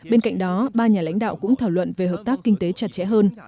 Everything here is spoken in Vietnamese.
bên cạnh đó ba nhà lãnh đạo cũng thảo luận về hợp tác kinh tế chặt chẽ hơn